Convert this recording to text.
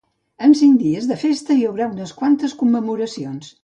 En cinc dies de festa, hi haurà unes quantes commemoracions.